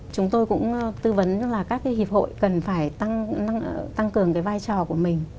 chúng tôi cũng tư vấn là các cái hiệp hội cần phải tăng cường cái vai trò của mình